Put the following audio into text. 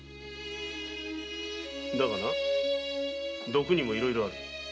だが毒にもいろいろある。